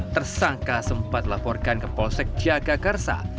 tersangka sempat laporkan ke polsek jaga karsa